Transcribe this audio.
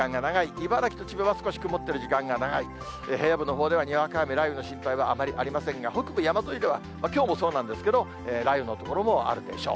茨城と千葉は曇っている時間が長い、平野部のほうでは、にわか雨、雷雨の心配はあまりありませんが、北部山沿いでは、きょうもそうなんですけど、雷雨の所もあるでしょう。